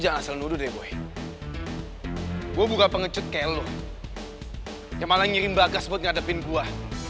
apa benar mereka itu orang orang chandra